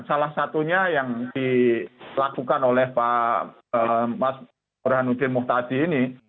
salah satunya yang dilakukan oleh pak mas burhanuddin mukhtadi ini